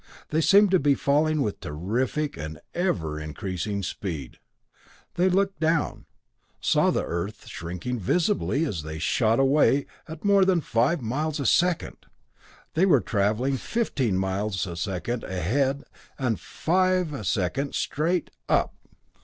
They seemed to be falling with terrific and ever increasing speed. They looked down saw the Earth shrinking visibly as they shot away at more than five miles a second; they were traveling fifteen miles a second ahead and five a second straight up.